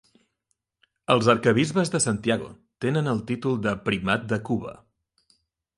Els arquebisbes de Santiago tenen el títol de Primat de Cuba.